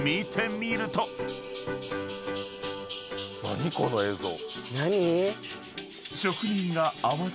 ・何⁉この映像。